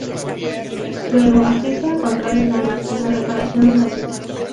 Luego asiste a Control de Daños en la reparación de la ciudad.